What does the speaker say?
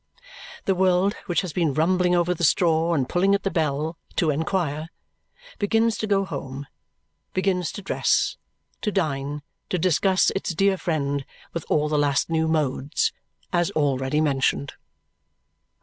The world, which has been rumbling over the straw and pulling at the bell, "to inquire," begins to go home, begins to dress, to dine, to discuss its dear friend with all the last new modes, as already mentioned.